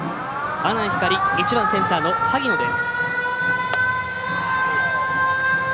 阿南光１番センターの萩野です。